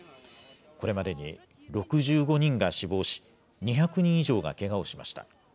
これまでに６５人が死亡し、２００人以上がけがをしました。